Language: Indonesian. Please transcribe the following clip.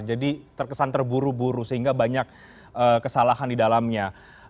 jadi terkesan terburu buru sehingga banyak kesalahan di dalamnya